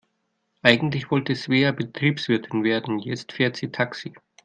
Eigentlich wollte Svea Betriebswirtin werden, jetzt fährt sie Taxi.